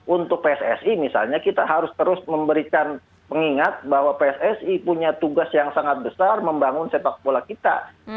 untuk pssi misalnya kita harus terus memberikan pengingat bahwa pssi punya tugas yang sangat besar membangun sepak bola kita